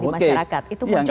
itu muncul di masyarakat